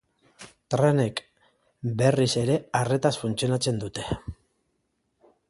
Trenek berriz ere arretaz funtzionatzen dute.